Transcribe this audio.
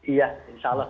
iya insya allah